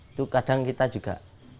itu kadang kita juga